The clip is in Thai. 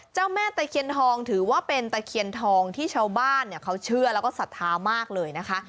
เจ้าแม่ตะเคียนทองถือว่าเป็นตะเคียนทองที่ชาวบ้านเขาเชื่อแล้วก็ศรัทธามากเลยนะคะ